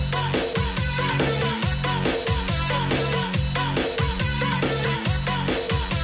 โปรดติดตามตอนต่อไป